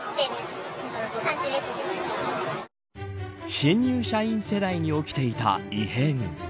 新入社員世代に起きていた異変。